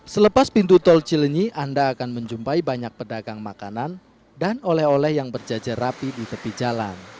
selepas pintu tol cilenyi anda akan menjumpai banyak pedagang makanan dan oleh oleh yang berjajar rapi di tepi jalan